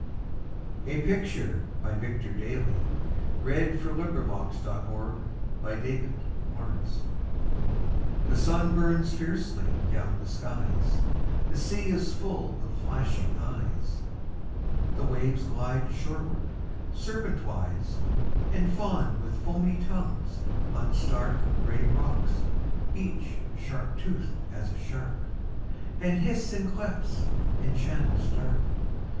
A fairer Flora, Serene, immortal, by the strand Of clear Narora. A PICTURE THE sun burns fiercely down the skies ; The sea is full of flashing eyes ; The waves glide shoreward serpentwise And fawn with foamy tongues on stark Gray rocks, each sharp toothed as a shark, And hiss in clefts and channels dark.